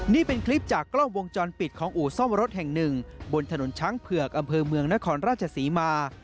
นี่เป็นคลิปจากกล้องวงจรปิดของอู่ซ่อมรถแห่งหนึ่งบนถนนช้างเผือกอำเภอเมืองนครราชศรีมา